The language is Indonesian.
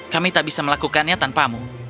kami tak bisa melakukannya tanpamu